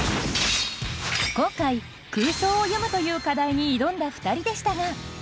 今回「空想を詠む」という課題に挑んだ２人でしたが。